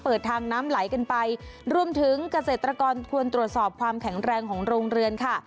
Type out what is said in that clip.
เปิดทางน้ำไหลกันไปรวมถึงเกษตรกรควรตรวจสอบความแข็งแรงของโรงเรือนค่ะ